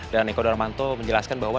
dan eko darmanto menjelaskan bahwa